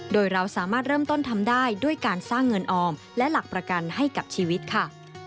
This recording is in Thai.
โดยเราสามารถเริ่มต้นทำได้ด้วยการสร้างเงินออมและหลักประกันให้กับชีวิตค่ะ